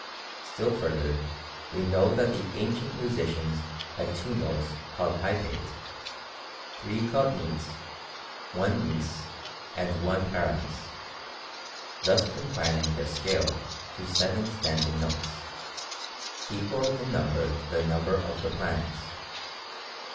Still further, we know that the ancient musicians had two notes called hypate, three called nete, one mese, and one paramese, thus confining their scale to seven standing notes, equal in number to the num ber of the planets.